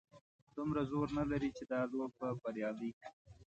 دومره زور نه لري چې دا لوبه بریالۍ کړي.